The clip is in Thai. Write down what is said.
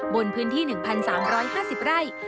บนพื้นที่๑๓๕๐ไร่